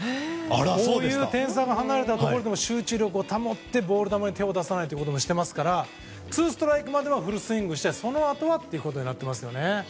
こういう点差が離れたところでも集中力を保って、ボール球に手を出さないようにしてますからツーストライクまではフルスイングしてそのあとはってなってます。